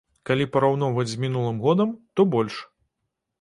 Калі параўноўваць з мінулым годам, то больш.